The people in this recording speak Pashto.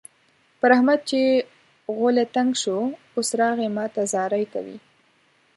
پر احمد چې غولی تنګ شو؛ اوس راغی ما ته زارۍ کوي.